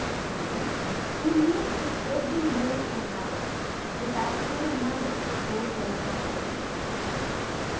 To me, who knew his every mood and habit, his attitude and manner told their own story.